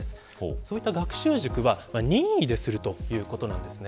そういった学習塾は任意でするということです。